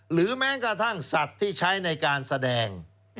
หรือแม้กระทั่งสัตว์ที่ใช้ในการแสดง